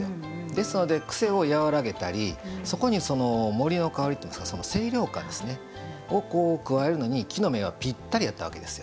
ですので、癖を和らげたりそこに森の香りというか清涼感を加えるのに木の芽がしっかり合ったわけです。